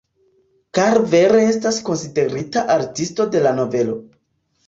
Karver estas konsiderita artisto de la novelo.